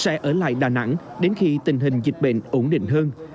sẽ ở lại đà nẵng đến khi tình hình dịch bệnh ổn định hơn